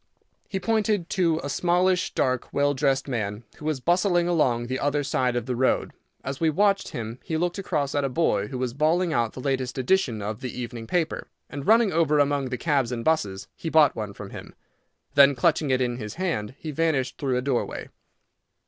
He pointed to a smallish, dark, well dressed man who was bustling along the other side of the road. As we watched him he looked across at a boy who was bawling out the latest edition of the evening paper, and running over among the cabs and busses, he bought one from him. Then, clutching it in his hand, he vanished through a doorway.